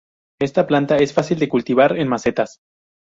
Esta planta es fácil de cultivar en macetas.